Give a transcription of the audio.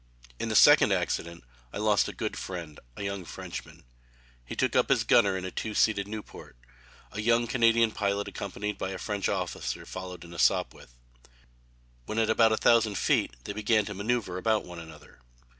In the second accident I lost a good friend a young Frenchman. He took up his gunner in a two seated Nieuport. A young Canadian pilot accompanied by a French officer followed in a Sopwith. When at about a thousand feet they began to manoeuvre about one another.